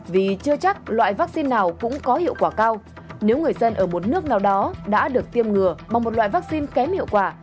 vì chưa chắc loại vaccine nào cũng có hiệu quả cao nếu người dân ở một nước nào đó đã được tiêm ngừa bằng một loại vaccine kém hiệu quả